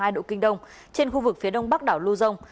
một trăm hai mươi hai hai độ kinh đông trên khu vực phía đông bắc đảo luzon